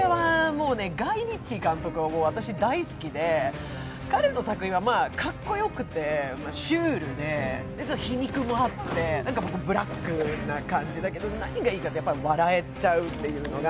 ガイ・リッチー監督が私大好きで、彼の作品は、かっこよくてシュールで、皮肉もあって、ブラックな感じだけど、何がいいかっていうと、やっぱり笑えちゃうっていうのが。